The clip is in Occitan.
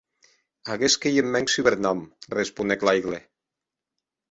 Aguest qu’ei eth mèn subernòm, responec Laigle.